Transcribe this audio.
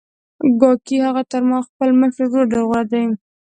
ګواکې هغه تر خپل مشر ورور ډېر غوره دی